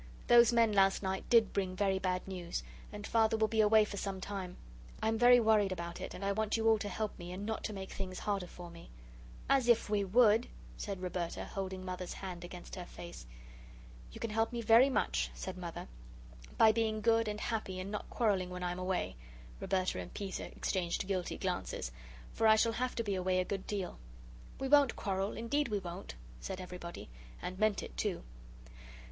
Those men last night did bring very bad news, and Father will be away for some time. I am very worried about it, and I want you all to help me, and not to make things harder for me." "As if we would!" said Roberta, holding Mother's hand against her face. "You can help me very much," said Mother, "by being good and happy and not quarrelling when I'm away" Roberta and Peter exchanged guilty glances "for I shall have to be away a good deal." "We won't quarrel. Indeed we won't," said everybody. And meant it, too.